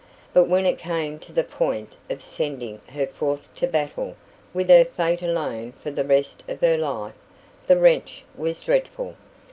But when it came to the point of sending her forth to battle with her fate alone for the rest of her life, the wrench was dreadful.